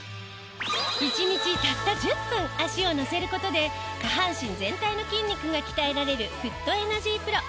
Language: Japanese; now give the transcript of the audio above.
１日たった１０分足をのせる事で下半身全体の筋肉が鍛えられるフットエナジープロ。